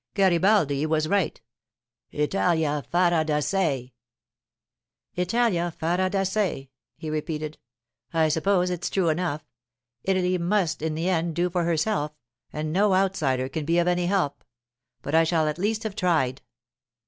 Garibaldi was right—"Italia farà da se."' '"Italia farà da se,"' he repeated. 'I suppose it's true enough. Italy must in the end do for herself, and no outsider can be of any help—but I shall at least have tried.